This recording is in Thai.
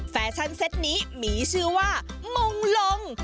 แฟชั่นเซ็ตนี้มีชื่อว่ามงลง